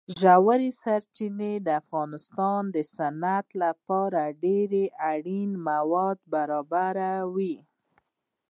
ژورې سرچینې د افغانستان د صنعت لپاره ډېر اړین مواد برابروي.